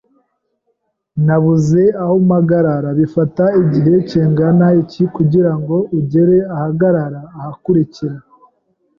Nabuze aho mpagarara. Bifata igihe kingana iki kugirango ugere ahagarara ahakurikira?